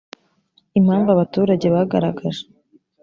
impamvu abaturage bagaragaje